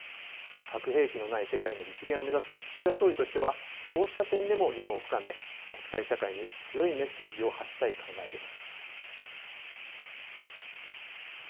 核兵器のない世界の実現を目指す岸田総理としては、こうした点でも議論を深め、国際社会に強いメッセージを発信したい考えです。